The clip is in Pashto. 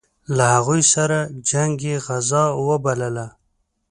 له هغوی سره جنګ یې غزا وبلله.